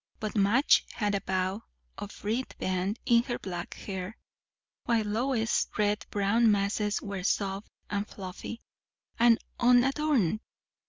But Madge had a bow of ribband in her black hair, while Lois's red brown masses were soft, and fluffy, and unadorned.